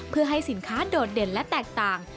เพื่อให้สินค้าโดดเด่นและแตกต่าง